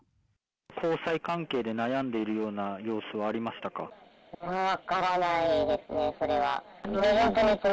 交際関係で悩んでいるような分からないですね、それは。